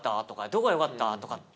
「どこがよかった？」とかって。